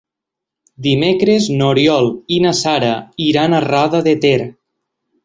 Dimecres n'Oriol i na Sara iran a Roda de Ter.